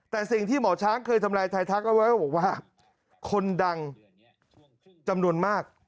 แต่สิ่งที่หมอช้างเคยทำลายไทยทักเอาไว้ก็บอกว่าคนดังจำนวนมาก